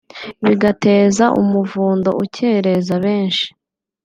bigateza umuvundo ukereza benshi